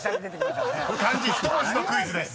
漢字１文字のクイズです］